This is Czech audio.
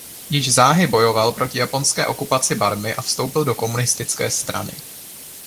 Již záhy bojoval proti japonské okupaci Barmy a vstoupil do komunistické strany.